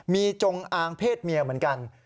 มีจงอางเพศเมียเหมือนกัน